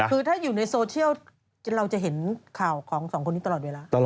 คือถ้าอยู่ในโซเชียลเราจะเห็นข่าวของสองคนนี้ตลอดเวลา